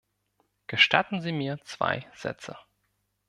Gestatten Sie mir zwei Sätze.